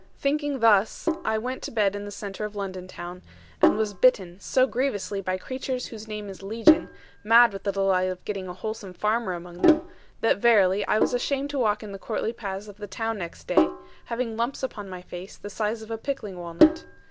Thinking thus, I went to bed in the centre of London town, and was bitten so grievously by creatures whose name is 'legion,' mad with the delight of getting a wholesome farmer among them, that verily I was ashamed to walk in the courtly parts of the town next day, having lumps upon my face of the size of a pickling walnut.